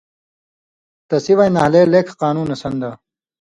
تسی وَیں نھالے لیکھ قانونہ سن٘داں۔